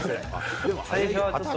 最初はちょっと。